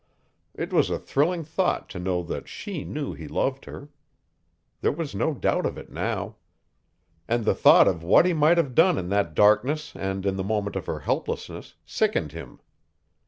It was a thrilling thought to know that SHE knew he loved her. There was no doubt of it now. And the thought of what he might have done in that darkness and in the moment of her helplessness sickened him.